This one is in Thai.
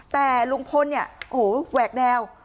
แต่ลุงพลล์เนี่ยโหแหวกแนว